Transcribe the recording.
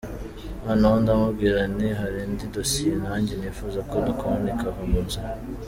Noneho ndamubwira nti hari indi dosiye nanjye nifuza ko dukora ikava mu nzira.